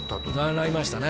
なりましたね